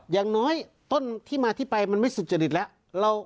อย่างน้อยต้นที่มาที่ไปมันไม่สุจริตแล้ว